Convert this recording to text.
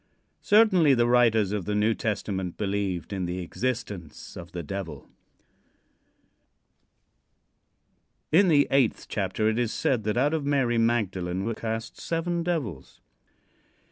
Certainly the writers of the New Testament believed in the existence of the Devil. In the eighth chapter it is said that out of Mary Magdalene were cast seven devils.